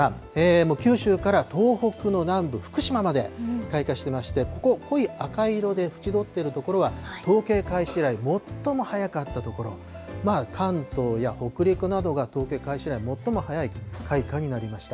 もう九州から東北の南部、福島まで開花してまして、ここ、濃い赤色で縁取ってる所は、統計開始以来最も早かった所、関東や北陸などが統計開始以来最も早い開花になりました。